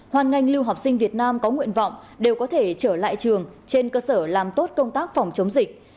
hoàn ngành lưu học sinh việt nam có nguyện vọng đều có thể trở lại trường trên cơ sở làm tốt công tác phòng chống dịch